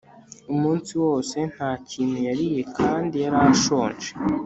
umunsi wose nta kintu yariye kandi yari ashonje